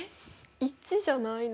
１じゃないの？